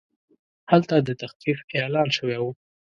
هلته د تخفیف اعلان شوی و.